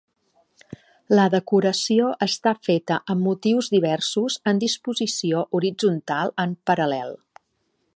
La decoració està feta amb motius diversos en disposició horitzontal en paral·lel.